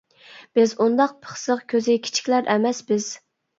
بىز ئۇنداق پىخسىق كۆزى كىچىكلەر ئەمەس بىز.